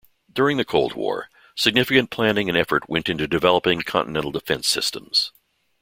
During the Cold War significant planning and effort went into developing continental defense systems.